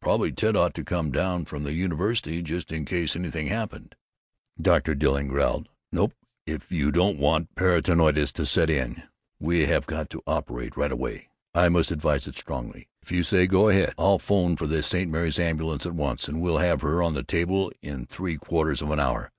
Probably Ted ought to come down from the university, just in case anything happened." Dr. Dilling growled, "Nope. If you don't want peritonitis to set in, we'll have to operate right away. I must advise it strongly. If you say go ahead, I'll 'phone for the St. Mary's ambulance at once, and we'll have her on the table in three quarters of an hour."